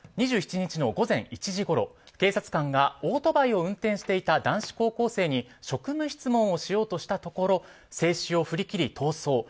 ２７日の午前１時ごろ、警察官がオートバイを運転していた男子高校生に職務質問をしようとしたところ制止を振り切り逃走。